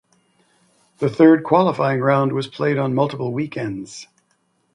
The third qualifying round was played on multiple weekends.